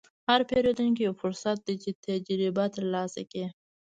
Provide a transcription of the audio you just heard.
هر پیرودونکی یو فرصت دی چې تجربه ترلاسه کړې.